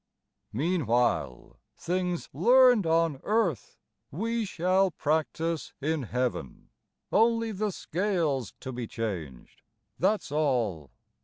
" "Meanwhile, things learned on earth We shall practice in Heaven. Only the scales to be changed, that's all." bi5 IRobert Browning.